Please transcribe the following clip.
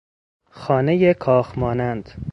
خانهی کاخ مانند